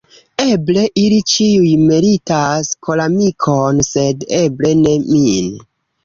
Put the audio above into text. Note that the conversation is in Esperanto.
Eble ili ĉiuj meritas koramikon, sed eble ne min.